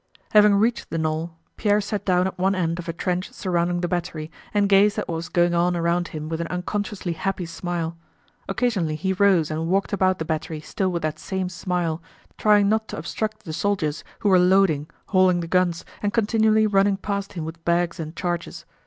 Having reached the knoll, Pierre sat down at one end of a trench surrounding the battery and gazed at what was going on around him with an unconsciously happy smile. Occasionally he rose and walked about the battery still with that same smile, trying not to obstruct the soldiers who were loading, hauling the guns, and continually running past him with bags and charges.